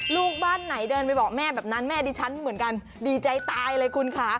ลูกบ้านไหนเดินไปบอกแม่แบบนั้นแม่ดิฉันเหมือนกันดีใจตายเลยคุณค่ะ